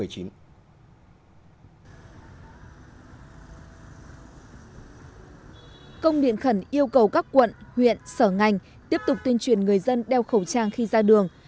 công điện khẩn yêu cầu các quận huyện sở ngành tiếp tục tuyên truyền người dân đeo khẩu trang khi ra đường